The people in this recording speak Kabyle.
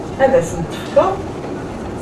Ad as-tent-tefkeḍ?